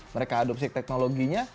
mereka adopsi teknologinya